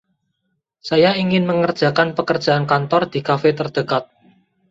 saya ingin mengerjakan pekerjaan kantor di kafe terdekat